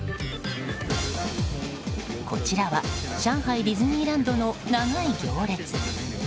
こちらは上海ディズニーランドの長い行列。